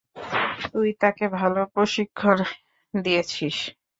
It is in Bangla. তুই তাকে ভাল প্রশিক্ষণ দিয়েছিস।